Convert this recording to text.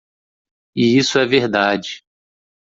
E isso é verdade.